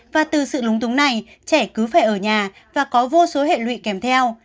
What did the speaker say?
và từ sự lúng túng này trẻ cứ phải ở nhà và có vô số hệ lụy kèm theo